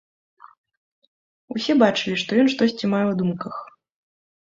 Усе бачылі, што ён штосьці мае ў думках.